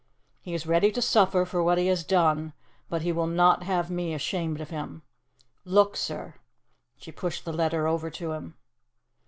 He is ready to suffer for what he has done, but he will not have me ashamed of him. Look, Sir " She pushed the letter over to him.